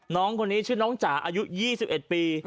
น้องคนนี้ชื่อน้องจ๋าอายุ๒๑ปี